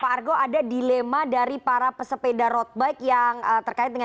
pak argo ada dilema dari para pesepeda road bike yang terkait dengan